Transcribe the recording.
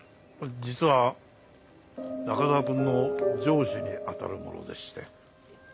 実は中沢くんの上司にあたる者でして。